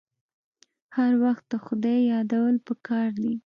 هر وخت د خدای یادول پکار دي.